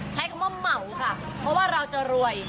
ใช้คำว่าเหมาค่ะเพราะว่าเราจะรวย